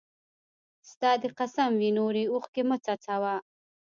ستا! دي قسم وي نوري اوښکي مه څڅوه